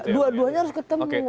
dua duanya harus ketemu